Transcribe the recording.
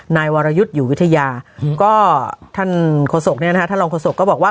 นายวรยุทธ์อยู่วิทยาก็ท่านรองโคศกก็บอกว่า